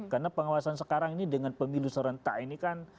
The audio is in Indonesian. karena pengawasan sekarang ini dengan pemilu serentak ini kan